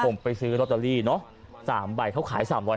ผมไปซื้อลอตเตอรี่เนอะ๓ใบเขาขาย๓๐๐